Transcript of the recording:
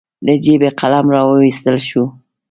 له جېبې قلم راواييستل شو.